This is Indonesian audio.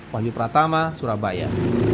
wali pratama surabaya